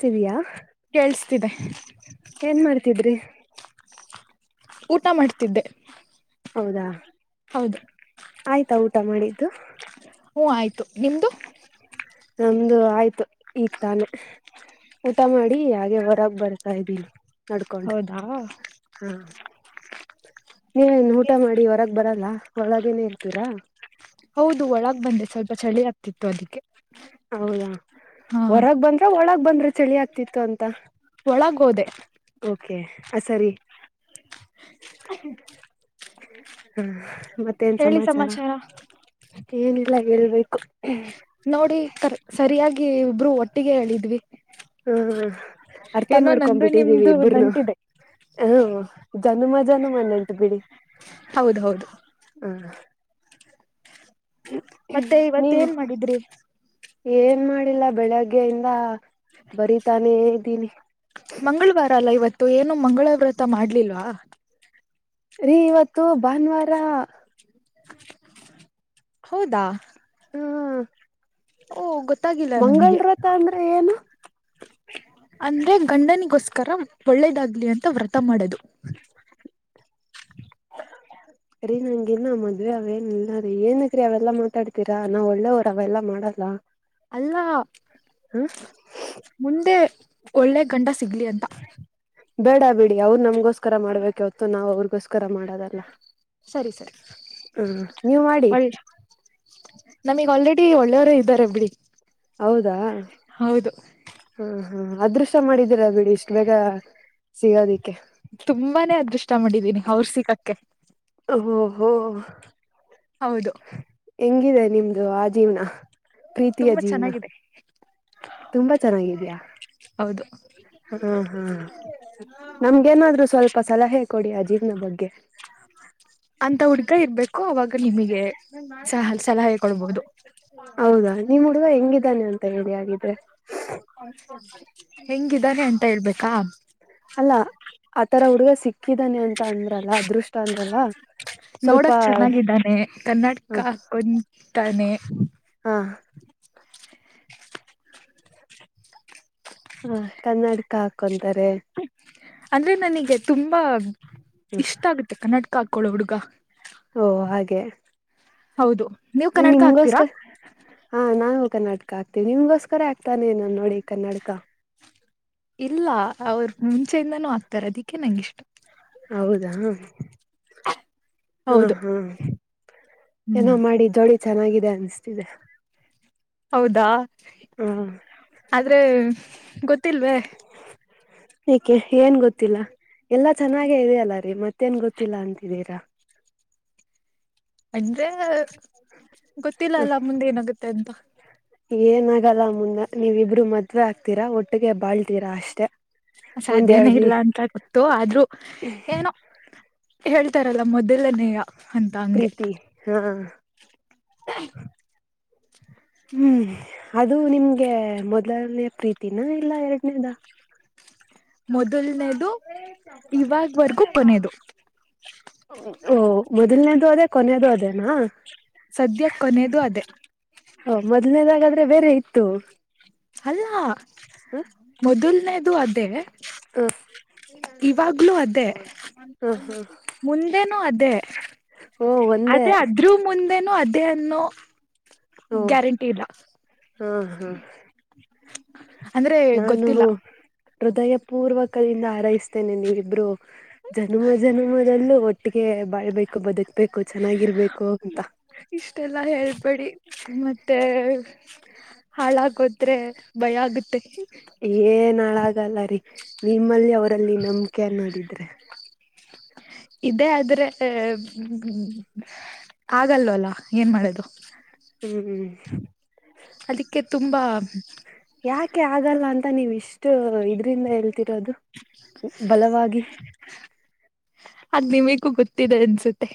ಸರಿಯಾ ಕೇಳ್ಸತ್ತಿದೆ ಮಾಡ್ತಿದ್ರಿ ಹೌದಾ ಹೌದು ಆಯ್ತಾ ಊಟ ಮಾಡಿದ್ದು ಹ್ ಆಯತು ನಮ್ದು ಆಯ್ತು ಈ ತಾನೆ ಊಟ ಮಾಡಿ ಹಾಗೆ ಹೊರ್ ತಬ್ ಬರ್ತಾ ಇ ಬ ನಡ್ಕೊಂಡು ಹೌದಾ ಹಾ ನೀನ್ ಊಟ ಮಾಡಿ ಹೊರಗ್ ಬರಲ್ಲ ಒಳಗೇನೆ ಇರ್ತೀರಾ ಅದಿಕ್ಕೆ ಹೌದಾ ಹೊರಗ್ ಬಂದ್ರ ಒಳಗ ಬಂದ್ರಿ ಚಳಿ ಆಗ್ತಿತ್ತು ಅಂತ ಒಳಗೋದೆ ಓಕೆ ಆ ಸರಿ ಹ್ಮ್ಮ್ ಹ್ಮ ಹೇಳಿ ಸಮಾಚಾರ ಏನೆಲ್ಲ ಹೇಳ್ಬೇಕು ನೋಡಿ ಕ ಸರಿಯಾಗಿ ಇಬ್ರು ಒಟ್ಟ ಒಟ್ಟಿಗೆ ಹೇಳಿದ್ವಿ ಹ್ಮ ಹ್ಮ ಅರ್ಥ ಏನೋ ನಂದು ಮಾಡ್ಕೊಂಡ್ಬಿಟ್ಟಿದ್ದೀವಿ ನಿಮ್ದು ಇಬ್ರನು ನಂಟಿದೆ ಹ್ಮ ಚನುಮ ಜನುಮ ನೆಂಟು ಬಿಡಿ ಹೌದ ಹೌದು ಹ ಮತ್ತೆ ಇವತ್ತ ನೀವು ಏನ್ ಮಾಡಿದ್ರಿ ಏನ್ ಮಾಡಿಲ್ಲ ಬೆಳಗ್ಗೆಯಿಂದ ಬರೀತಾನೆ ನಿ ಮಂಗಳವಾರ ಅಲ್ಲ ಇವತ್ತು ಏನು ಮಂಗಳ ವ್ರತ ಮಾಡ್ಲಿಲ್ವಾ ರೀ ಇವತ್ತು ಭಾನುವಾರ ಹೌದಾ ಹಾ ಓ ಗೊತ್ತ ಮಂಗಳ ರತ ಅಂದ್ರೆ ಏನು ಅಂದ್ರೆ ಗಂಡನಿಗೋಸ್ಕರ ಒಳ್ಳೇದಾಗ್ಲಿ ಅಂತ ವರ್ತ ಮಾಡೋದು [unintelligible] ಹ ಹ ರೀ ನಂಗಗೆಲ್ಲ ಮದ್ವೆ ಅವೇನ ಇಲ್ಲ ರೀ ಏನಗ್ರೀ ಅವೆಲ್ಲಾ ಮಾತಾಡ್ತೀರಾ ನಾ ಒಳ್ಳೆವ್ರ ಅವೆಲ್ಲಾ ಮಾಡಲ್ಲ ಅಲ್ಲ ಹ ಮುಂದೆ ಒಳ್ಳೆ ಗಂಡ ಸಿಗ್ಲಿ ಅಂತ ಬೇಡ ಬಿಡಿ ಅವ್ರು ನಮಗೋಸ್ಕರ ಮಾಡ್ಬೇಕ ಹೊತ್ತು ನಾವ್ ಅವ್ರ ಪುಸ್ಕರ ಮಾಡ ಸರಿ ಸರಿ [inaudible] ಹ್ಮ್ ನೀವ್ ಮಾಡಿ ಒಳ್ಳ ನಮಗ್ ಆಲ್ರೆಡಿ ಒಳ್ಳೆಯವರು ಇದ್ದಾರೆ ಬಿಡಿ ಹೌದಾ ಹೌದು ಹ್ಮ ಹಾ ಅದೃಶ ಮಾಡಿದ್ದೀರ ಬಿಡಿ ಇಷ್ಟ ಬೇಗ ಸಿಗೋದಿಕ್ಕೆ ತುಂಬಾನೇ ಅದೃಷ್ಟ ಮಾಡಿದ್ದೀನಿ ಅವರು ಸಿಕ್ಕಕ್ಕೆ ಓಹೋ ಹೌದು ಹೆಂಗಿದೆ ನಿಮ್ದು ಆ ಜೀವನ ಪ್ರೀತಿಯ ತುಂಬಾ ಜೀವನ ಚೆನ್ನಾಗಿದೆ ತುಂಬಾ ಚೆನ್ನಾಗಿದ್ಯಾ ಹೌದು ಹಾ ಹಾ ನಮ್ಗೇನಾದ್ರು ಸ್ವಲ್ಪ ಅ ಸಲಹೆ ಕೊಡಿ ಆ ಜೀವ್ನ ಬಗ್ಗೆ ಅಂತ ಹುಡ್ಗ ಇರ್ಬೇಕು ಅವಾಗ ನಿಮಗೆ ಸಹ ಸಲಹೆ ಕೊಡ್ಬೋದು ನಿಮ ಹುಡುಗ ಹೆಂಗಿದ್ದಾನೆ ಅಂತ ರಿ ಆಗಿದ್ರೆ ಹೆಂಗಿದ್ದಾನೆ ಅಟ ಹೇರ್ಬೇಕಾ ಅಲ್ಲ ಆತರ ಹುಡುಗ ಸಿಕ್ಕಿದಾನೆ ಅಂತ ಅಂದ್ರಲ್ಲ ಅದೃಷ್ಟ ಅಂದ್ರಲ್ಲ ಸ್ವಲ್ಪ ನೋಡಕ್ ಹ ತಾನೇ ಹಾ ಹಾ ಕನ್ನಡಕ ಕ್ಕ ಹಾಕೊಂತಾರೆ ಅಂದ್ರೆ ನನಗೆ ತುಂಬಾ ಇಷ್ಟ ಆಗುತ್ತೆ ಕನ್ನಡ ಕಾಕ್ಕೊಳ್ಳಳ ಹುಡುಗ ಓ ಹಾಗೆ ಹೌದು ನೀವ್ ಕನ್ನಡಕ ಹಾಕ್ತೀರಾ ನಿಮಗೋಸ್ಕರ ಹಾ ನಾ ಕನಾಟಕ ಆಗ್ತ ನಿಮ್ಗೋಸ್ಕರ ಆಗ್ತಾನೆ ನು ನೋಡಿ ಕನ್ನನಾಡಕ ಇಲ್ಲ ಅವರು ಮುಂಚೆಯಿಂದಾನೂ ಆಾಕ್ತಾರ ಅದಕ್ಕೆ ನಂಗ ಇಷ್ಟ ಹೌದಾ ಹಾ ಹೌದು ಹಾ ಏನೋ ಹ್ಮ್ ಮಾಡಿ ದೋಳ ಚೆನ್ನಾಗಿದೆ ಅನ್ಿಸತಿದೆ ಹೌದಾ ಆದ್ರೆ ಗೊತ್ತಿಲ್ವೇ ಏಕೆ ಏನ್ ಗೊತ್ತಿಲ್ಲ ಎಲ್ಲಾ ಚೆನ್ನಾಗೆ ಇದೆಯಲ್ಲ ಮತ್ತೇಏನ್ ಗೊತ್ತಿಲ್ಲಾ ಅಂತಿದ್ದೀರಾ ಅಂದ್ರೆ ಗೊತ್ತಿಲ್ಲ ಅಲ್ಲ ಮುಂದೆ ಏನಾಗುತ್ತೆ ಅಂತ ಏನ ಆಾಗಲ್ಲ ಮುಂದೆ ನೀವಿ ಇಬ್ರು ಮದ್ುವೆ ಆಗ್ತೀರಾ ಒಟ್ಟಿಗೆ ಬಾಳ್ತೀರಾ ಅಷ್ಟೆ ಸಾಧ್ಯನೇ ಒಂದೆರಡು ಇಲ್ಲ ಅಂತ ಗೊತ್ತು ಆದ್ರೂ ಏನೋ. ಹೇಳ್ತಾರಲ್ಲ ಮೊದಲನೇಯ. ಪ್ರೀತಿ ಹಾ. [unintelligible] ಹ್ಮ್ ಅದು ನಿಮ್ಗೆ ಮೊದಲನೇ ಪ್ರೀತಿನ ಇಲ್ಲ ಎರಡನೇದ. ಮೊದಲನೇದು [unintelligible] ಇವಾಗ್ವರ್ಗೂ ಕೊನೆದು ಓ ಮೊದಲನೇದು ಅದೇ ಕೊನೆಯದುೂ ಅದೇನಾ. ಸದ್ಯ ಕೊನದು ಅದೇ. ಮೊದ್ಲೇದಾಗಾದ್ರೆ ಬೇರೆ ಇತ್ತು. ಅಲ್ಲ. ಹ ಮೊದಲ್ನೇ. ಅದು ಅದೇ ಇವಾಗ್ಲುೂ ಅದೇ. ಹ ಹ ಮುಂದೆ. ಅದೇ. ಓ ಒಂದೇ ಅದೇ ಅದ್ರೂ ಮುಂದೆನು ಅದ ದೆ ಅನ್ನು. ಓ ಗ್ಯಾರಂಟಿ ಇಲ್ಲ ಹಾ ಹಾ ಅಂದ್ರೆ ನಾನು ಗೊತ್ತಿಲ್ಲ. ಹೃದಯ ಪೂರ್ವಕದಿಂದ ಹಾರೈಸ್ತೇನೆ ನೀವಿ ಇಬ್ರು. ಜನ್ಮ ಜನ್ಮದಲ್ಲೂ ಒಟ್ಟಿಗೆ. ಬಬೇಕು ಬದ. ಬೇಕು ಚೆನ್ನಾಗಿರ್ಬೇಕು ಅಂತ. ಇಷ್ಟೆಲ್ಲಾ ಹೇಳ್ಬೇಡಿ ಮತ್ತೆ ಹಾಳ ಹಾಕೋದೆ ಭಯ ಆಗ. ಏನ್ಳ. ಲ್ಲ ರ. ನಿಮ್ಮಲ್ಲಿ ಅವರಲ್ಲಿ ನಂಬಿಕೆ ಅನ್ನೋದಿಲ್ಲ. ಹ್ಮ್ಮ್. ಇದೇ ಆದ್ರೆ ಆಗಲ್ವಲ್ಲ ಏನ್ ಮಾಡದು. ಹ್ಮ್ ಹ್ಮ್. ಹ್ಮ್ಮ್. ಅದಕ್ಕೆ ತುಂಬಾ. ಯಾಕೆ ಆಗಲ್ಲ ಅಂತ ನೀವ್ ಇಷ್ಟು ಇದ್ರಿಂದ ಹೇಳ್ತೀ. ರದು ಬಲವಾಗಿ. ಅ್ ನಿಮಗೂ ಗೊತ್ತಿದೆ ಅನ್ಸುತ್ತೆ.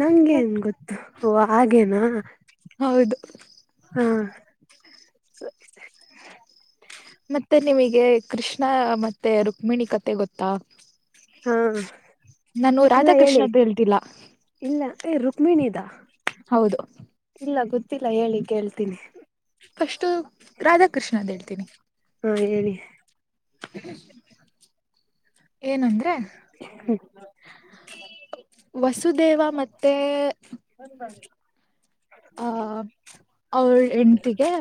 ನಂ ನ್ ಗೊತ್ತು ಓ ಹಾಗೇನಾ. ಹಾ. ಹೌದು. ಸರಿ ಸರಿ. ಮತ್ತೆ ನಿಮಗೆ ಕೃಷ್ಣ ಮತ್ತೆ ರುಕ್ಮಿಣಿ ಕತೆ ಗೊತ್ತಾ. ಹಾ. ನಾನು ಇಲ್ಲ ರಾಧಾಕೃಷ್ಣ ಹೇಳಿ ಅಂತ ಹೇಳ್ತಿಲ್ಲ. ಇಲ್ಲ ಏ ರುಕ್ಮಿಣಿದಾ. ಹೌದು. ಇಲ್ಲ ಗೊತ್ತಿಲ್ಲ ಹೇಳಿ. ಕೇಳ್ತೀನಿ. ಅಷ್ಟ. ರಾಧಾಕೃಷ್ಣ ಅಂತ ಹೇಳ್ತೀನಿ. ಹಾ ಹೇಳಿ ಹ್ಮ. ಏನಂದ್ರೆ. ವಸುದೇವ ಮತ್ತೆ. ಹ ಸರಿ. ಆ ಅವಳ ಹೆಂಡತಿಗೆ.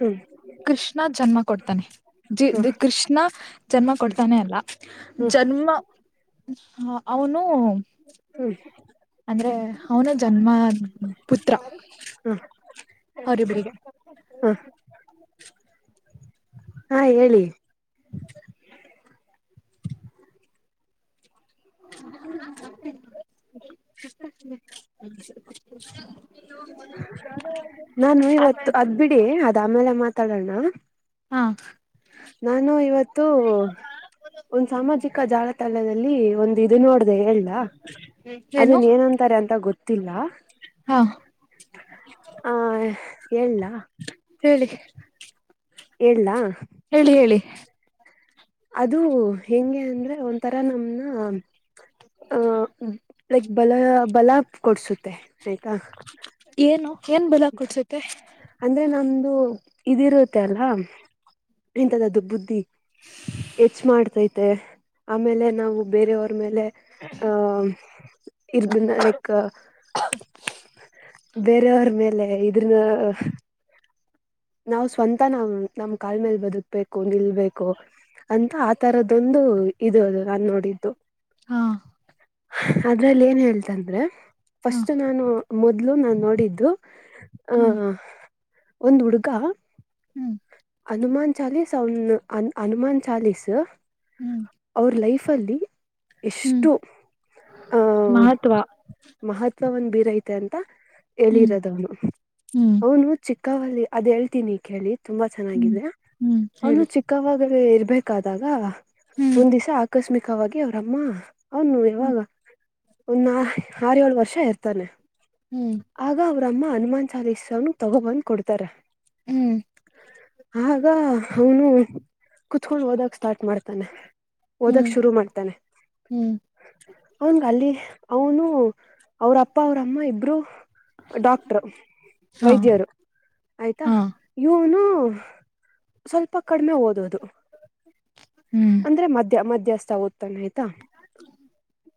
ಹ್ಮ್ ತಾನೆ. ಜಿ ಹಾ ಕೃಷ್ಣ. ಜನ್ಮ ಕೊಡ್ತಾನೆ ಅಲ್ಲ ಹ್ಮ್ ಜನ್ಮ ಹ ಅವನು ಹ್ಮ್ ಅಂದ್ರೆ ಅವನ ಜನ್ಮ ಪುತ್ರ ಅವರಿಬ್ಬರಿಗೆ ಹ ಹಾ ಹೇಳಿ ಹ ಷ್ಟ ನಾನು ಇವತ್ತು ಆಮೇಲೆ ಅದ್ ಬಿಡಿ ಅದಮೇಲೆ ಮಾತಾಡೋಣ ಹ ನಾನು ಇವತ್ತು ಒಂದ್ ಸಾಮಾಜಿಕ ಜಾಲತಾಣದಲ್ಲಿ ಒಂದು ಇ ನೋಡ್ದ ಹಲ್ಲ ಏನು ಅದನ್ ಏನಂತಾರೆ ಅಂತ ಗೊತ್ತಿಲ್ಲ ಹಾ ಆ ಹೇಳಲ್ಲ ಹೇಳಿ ಹಳ್ಲಾ ಹೇಳಿ ಹೇಳಿ ಅದು ಹೆಂಗೆ ಅಂದ್ರೆ ಒಂಥರ ನಮ್ನ ಹ ಹ್ಮ್ ಲೈಕ್ ಬಲ ಬಲ ಕೊಡ್ಸುತ್ತೆ ಮ ಆಯ್ತಾ ಏನು ಏನ್ ಬಲ ಕೊಡ್ಸುತ್ತೆ ಅಂದ್ರೆ ನಮ ಇದು ಇದಿರುತ್ತೆ ಅಲ್ಲ ಎಂಂತದದ್ದು ಬುದ್ಧಿ ಹೆಚ್ ಮಾಡ್ತೈತೆ ಆಮೇಲೆ ನಾವು ಬೇರೆಯವರ ಮೇಲೆ ಹ ಇರ್ಬನ್ನ ಲೈಕ್ ಬೇರೆಯವ್ರ ಮೇಲೆ ಅ ನಾವ್ ಸ್ವಂತ ನಾವ್ ನಮ್ ಕಾಲ್ ಮೇಲ್ ಬದುಕ್ಬೇಕು ನಿಲ್ಬೇಕು ಅಂತ ಆತರದೊಂದು ಒಂದು ಇದು ಅದು ನನ್ ನೋಡಿದ್ದು ಹಾ ಅದ್ರಲ್ಲಿ ಏನ್ ಹೇಳ್ತಂದ್ರೆ ಹಾ ಫಸ್ಟ್ ನಾನು ಮೊದ್ಲು ನಾನು ನೋಡಿದ್ದು ಹ್ಮ್ ಆಹ ಒಂದು ಹುಡುಗ [inaudible] ಹ್ಮ್ ಹನುಮನ್ ಚಾಾಲಿಸಸ್ ಹನುಮನ್ ಚಾಾಲಿಸಸ್ ಹ್ಮ್ ಅವ್ರ ಲೈಫ್ಲ್ಲಿ ಹ್ಮ್ ಎಷ್ಟು ಆಹ್ ಮಹತ್ವ ಮಹತ್ವವನ್ನು ಬೀರೈತ ಅಂತ ಹ್ಮ್ ಹೇಳಿರೋದ ಅವನು ಹ್ಮ್ ಅವನು ಚಿಕ್ಕ ಕಾವಾಲಿ ಅದ ಹೇಳ್ತೀನಿ ಕೇಳಿ ತುಂಬಾ ಹ್ಮ್ ಚೆನ್ನಾಗಿದ ಹ್ಮ್ ಅವನು ಹೇಳಿ ಚಿಕ್ಕವಾಗ ಹಾಗೇ ಇರ್ಬೇಕಾದಾಗ ಹ್ಮ್ ಒಂದ್ ದಿವಸ ಆಕಸ್ಮಿಕ ವಾಗಿ ಅವ್ರಮ್ಮ ಹ್ಮ್ ಹೌನುಾವಾಗ ಒಂದ ಆ ಆರ ಏಳ ವರ್ಷ ಇರ್ತಾನೆ ಹ್ಮ್ ಆಗ ಅವ್ರಮ್ಮ ಅ ಸಾ ಸ ದೇಶನು ತಗೊಬಂದ್ ಕೊಡ್ತಾರೆ ಹ್ಮ್ ಆಗ ಅವನು ಕುತ್ಕೊಂಡ್ ಹದಕ್ ಸ್ಟಾರ್ಟ ಮಾಡ್ತಾರೆ ಓದಕ್ ಹ್ಮ್ ಶುರು ಮಾಡ್ತಾನೆ ಹ್ಮ್ ಅವನ್ಗ ಅಲ್ಲಿ ಅವನು ಅವ್ರ ಅಪ್ಪ ಅವ್ರಮ್ಮ ಇಬ್ರು ಡಾಕ್ಟರು ಹಾ ವೈದ್ಯರು ಆಯ್ತಾ ಹಾ ಇವನು ಸ್ವಲ್ಪ ಕಡಿಮೆ ಓದದು ಹ್ಮ್ ಅಂದ್ರೆ ಮದ್ಯ ಮಧ್ಯಸ್ಥ ಆಗತ ಆ್ತ ಹ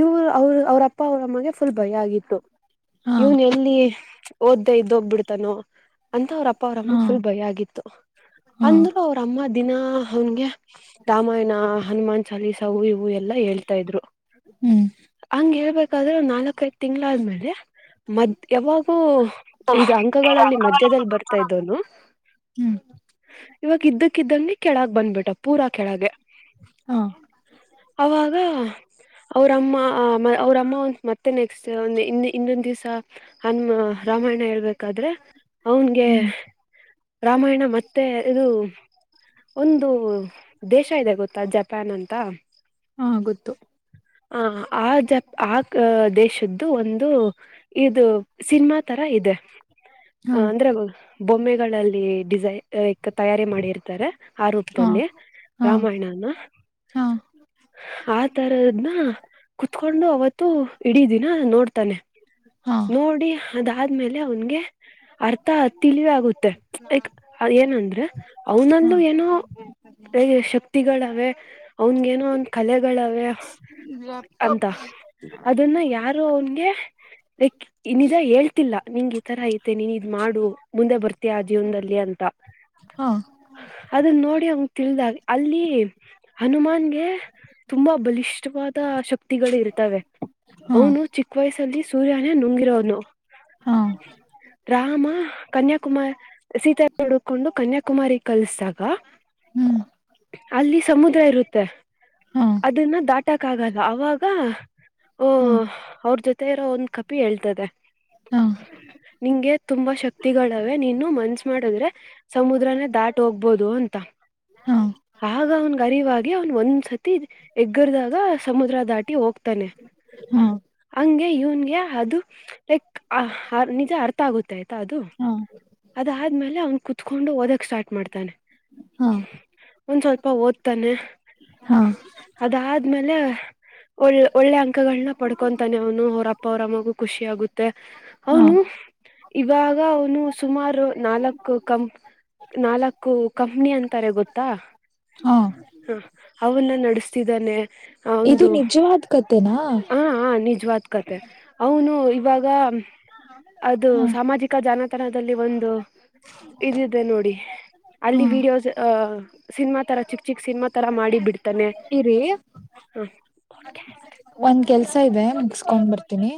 ಇವರು ಅವರು ಅವ್ರಪ್ಪ ಅವ್ರಮ್ಮಗೆ ಫುಲ್ ಭಯ ಆಗಿತ್ತು ಹಾ ಇವನ್ ಎಲ್ಲಿ ಓದ್ದ ಇದ್ದ ಹೋಗ್ಬಿಡ್ತಾನೋ ಅಂತ ಅವ್ರ ಅಪ್ಪ ಅವ್ರಮ್ಮ ಹಾ ಫುಲ್ ಭಯ ಆಗಿತ್ತು ಹಾ ಅಂದ್ರರು ಅವ್ರಮ್ಮ ದಿನಾ ಅವನ್ಗೆ ರಾಮಾಯಣ ಹನುಮಾನ್ ಚಾಲೀಸಾ ಹೂ ಇವು ಎಲ್ಲಾ ಹೇಳ್ತಾ ಇದ್ರು ಹ್ಮ್ ಹಂಗ್ ಹೇಳ್ಬೇಕಾದ್ರೆ ನಾಲ್ಕೈದ ತಿಂಗಳಾದ್ಮೇಲೆ ಮದ್ ಯಾವಾಗೂ ಇದು ಅಂಕಗಳಲ್ಲಿ ಮಧ್ಯದಲ್ಲಿ ಬರ್ತಾ ಇದವನು ಹ್ಮ್ ಇವಾಗ ಇದ್ದಕ್ಕಿದ್ದ ಕೆಳಗ್ ಬಂದ್ಬಿಟ ಪೂರಾ ಕೆಳಗೆ ಹಾ ಅವಾಗ ಅವರಮ್ಮ ಅವ್ರಮ್ಮ ಒ ಮತ್ತೆನೆ ಸಂದ ಇನ್ನ ಇನ್ನೊ ದಿವಿಸ ಹನ್ ರಾಮಾಯಣ ಹೇಳ್ಬೇಕಾದ್ರೆ ಅವನ್ಗೆ ಹ್ಮ್ ರಾಮಾಯಣ ಮತ್ತೆ ಇದು ಒಂದು ದೇಶ ಇದೆ ಗೊತ್ತಾ ಜಪಾನ್ ಅಂತ ಹಾ ಗೊತ್ತು ಆ ಆ ಜ ಆ ದೇಶದ್ದು ಒಂದು ತ ಇದು ಸಿನಿಮಾ ತರ ಇದೆ ಹಾ ಹ ಅಂದ್ರಗೋ ಬೊಮ್ಮೆಗಳಲ್ಲಿ ಡಿಸೈ ತಯಾರಿ ಮಾಡಿರ್ತಾರೆ ಆ ಹಾ ರೂಪದಲ್ಲಿ ಹಾ ರಾಮಾಯಣನ ಹಾ ಆ ತರದನ ಕುತ್ಕೊಂಡು ಅವತ್ತು ಇಡೀ ದಿನ ನೋಡ್ತಾನೆ ಹಾ ನೋಡಿ ಅದಾದ್ಮೇಲೆ ಅವನ್ಗೆ ಅರ್ಥ ತಿಳಿವೇ ಆಗುತ್ತೆ ಲೈಕ್ ಏನಂದ್ರೆ ಅವನಲ್ಲೂ ಏನೋ ಶಕ್ತಿಗಳವೆೆ ಅವನ್ಗೇನೋ ಒನ್ ಕಲೆಗಳವೆೆ ಅಂತ ಅದನ್ನ ಯಾರು ಅವನ್ಗೆ ಲೈಕ್ ನಿಜ ಹೇಳ್ತಿಲ್ಲ ನಿಂಗ [unintelligible] ನೀನ್ ಇದ್ ಮಾಡು ಮುಂದೆ ಬರ್ತೀಯ ಆ ಜೀವನದಲ್ಲಿ ಅಂತ ಹಾ ಅದನ್ನ ನೋಡಿ ಅವನ್ ತಿಳಿದಾಗ ಅಲ್ಲಿ ಹನುಮಾನ್ಗೆ ತುಂಬಾ ಬಲಿಷ್ಠವಾದ ಶಕ್ತಿಗಳು ಇರ್ತವೆ ಹಾ ಅವನು ಚಿಕ್ಕ ವಯಸ್ಸಲ್ಲಿ ಸೂರ್ಯ ನುಂಗಿರ ಹ ಹಾ ಹಾ ರಾಮ ಕನ್ಯಾಕುಮಾರ್ ಸೀತ ಹುಡುಕೊಂಡು ಕನ್ಯಾಕುಮಾರಿ ಕಲ್ಸಿದಾಗ ಹ್ಮ್ ಅಲ್ಲಿ ಸಮುದ್ರ ಇರುತ್ತೆ ಹಾ ಅದನ್ನ ದಾಟ್ ಇತ್ತಕ್ಕಾಗಲ್ಲ ಅವಾಗ ಓ ಹಾ ಅವ್ರ ಜೊತೆ ಮತ್ತ ಇರೋ ಒಂದ್ ಕಪಿ ಹೇಳ್ತದೆ ಹಾ ಗೆ ತುಂಬಾ ಶಕ್ತಿಗಳವೆೆ ನೀನು ಮನ್ಸ್ ಮಾಡಿದ್ರೆ ಸಮುದ್ರನೇ ದಾಟ್ ಹೋಗ್ಬೋದು ಅಂತ ಹಾ ಆಗ ಅವ್ನ್ ಗರಿವಾಗಿ ಅವ್ನ್ ಒಂದ ಸತಿ ಎಗ್ಗರದಾಗ ಸಮುದ್ರ ದಾಟಿ ಹೋಗ್ತಾನೆ. ಹಾ. ಹಂಗೆ ಇವನ್ಗೆ ಅದು. ಲೈಕ್ ನಿಜ ಆರ್. ಆ ಆಯ್ತಾ ಅದು ಹಾ ಅದಾದ್ಮೇಲೆ ಅವನ್ ಕುತ್ಕೊಂಡು ಓದಕ್ ಸ್ಟಾರ್ಟ್ ಮಾಡ್ತಾನೆ. ಹಾ ಒಂದ್ ಸ್ವಲ್ಪ ಓದ್ತಾನೆ. ಹಾ ಹಾ ಅದಾದ್ಮೇಲೆ. ಒಳ್ಳ ಒಳ್ಳೆ ಅಂಕಗಳನ್ನ ಪಡ್ಕೊಂತಾನೆ ಅವನು ಅವ್ರ ಅಪ್ಪ ಅವರಮ್ಮಗು ಖುಷಿ ಆಗುತ್ತೆ ಹಾ ಅವನು. ಇವಾಗ ಅವನು ಸುಮಾರು ನಾಲ್ಕು ಕಂ ನಾಲ್ಕು ಕಂಪ್ನಿ ಅಂತಾರೆ ಗೊತ್ತಾ. ಹಾ ಹ ಅವನ್ನ ನ. ಸ್ತಿದ್ದಾನೆ. ಇದು ನಿಜವಾದ್ ಕತೆೆನಾ. ಹ ನಿಜವಾದ ಕತೆ ಅವನು ಇವಾಗ. ಅದು ಹಾ ಸಾಮಾಜಿಕ ಜಾಲತಾಣದಲ್ಲಿ ಒಂದು. ಇದಿದೆ ನೋಡಿ ಹಾ ಅಲ್ಲಿ ವಿಡಿಯೋಸ್ ಅಹ. ಸಿನಮಾ ತರ ಚಿಕ್ ಚಿಕ್ ಸಿನಿಮಾ ತರ ಮಾಡಿ ಬಿಡ್. ತಾನೆ ಇರಿ ಹಾ. [unintelligible] ಒಂದ್ ಕೆಲ್ಸ. ಇದೆ ಮುಗಸ್ಕೊಂಡ್ ಬರ್ತೀನಿ.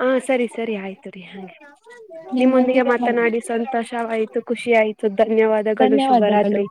ಹಾ ಸರಿ ಸರಿ ಆಯ್ತು ರರಿ ಹಂಗೆ. ನಿಮ್ಮೊಂದಿಗೆ ಮಾತನಾಡಿ ಸಂತೋಷವಾಯ್ತು. ಖುಷಿ ಆಯ್ತು. ಧನ್ಯವಾದಗಳು ಧನ್ಯವಾದಗಳು ಶುಭರಾತ್ರಿ.